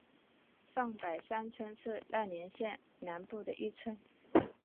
上北山村是奈良县南部的一村。